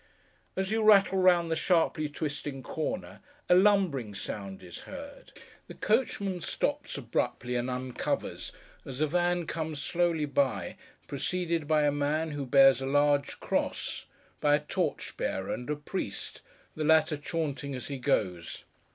As you rattle round the sharply twisting corner, a lumbering sound is heard. The coachman stops abruptly, and uncovers, as a van comes slowly by, preceded by a man who bears a large cross; by a torch bearer; and a priest: the latter chaunting as he goes.